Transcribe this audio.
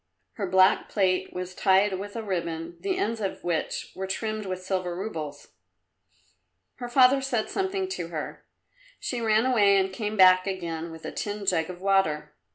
Her black plait was tied with a ribbon, the ends of which were trimmed with silver roubles. Her father said something to her. She ran away and came back again with a tin jug of water.